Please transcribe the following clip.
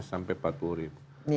sampai empat puluh ribu